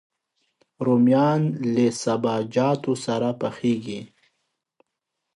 رومیان له سابهجاتو سره پخېږي